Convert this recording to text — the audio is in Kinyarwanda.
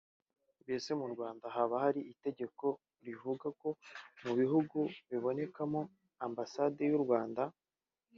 Mbese mu Rwanda haba hari itegeko rivuga ko mu bihugu bibonekamo ambasade y’u Rwanda